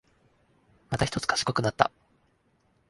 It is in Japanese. またひとつ賢くなった